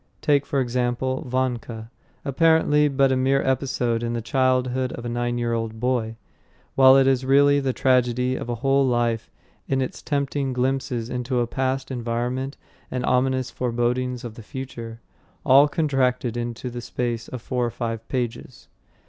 Take, for example, Vanka, apparently but a mere episode in the childhood of a nine year old boy; while it is really the tragedy of a whole life in its tempting glimpses into a past environment and ominous forebodings of the future all contracted into the space of four or five pages.